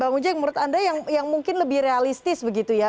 bang ujeng menurut anda yang mungkin lebih realistis begitu ya